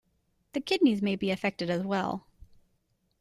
The kidneys may be affected as well.